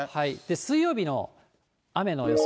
水曜日の雨の予想。